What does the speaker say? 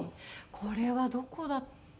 これはどこだったかな？